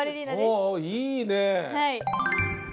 おおいいね。